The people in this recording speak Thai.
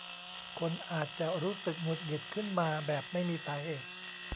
คนอาจจะรู้สึกหงุดหงิดขึ้นมาแบบไม่มีสาเหตุ